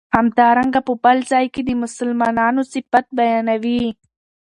همدارنګه په بل ځای کی د مسلمانو صفت بیانوی